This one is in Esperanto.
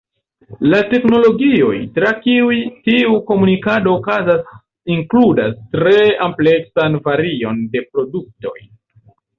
La teknologioj tra kiuj tiu komunikado okazas inkludas tre ampleksan varion de produktoj.